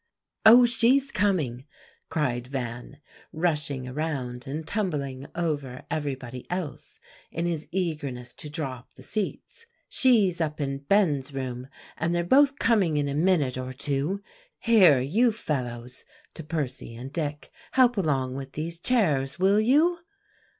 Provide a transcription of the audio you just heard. "Oh, she's coming!" cried Van, rushing around and tumbling over everybody else in his eagerness to draw up the seats; "she's up in Ben's room, and they're both coming in a minute or two. Here, you fellows," to Percy and Dick, "help along with these chairs, will you?"